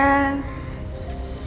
saya bisa bicarakan ini kemarin